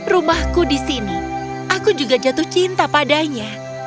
rumahku di sini aku juga jatuh cinta padanya